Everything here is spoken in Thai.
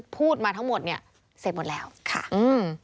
เสร็จหมดแล้วค่ะอืม